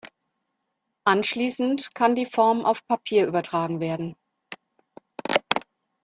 Anschließend kann die Form auf Papier übertragen werden.